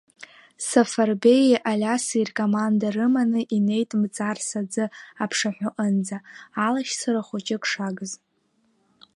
Сафарбеии Алиаси ркоманда рыманы инеит Мҵарс аӡы аԥшаҳәаҟынӡа, алашьцара хәыҷык шагыз.